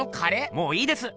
もういいです！